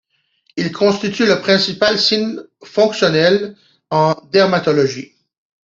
Il constitue le principal signe fonctionnel en dermatologie.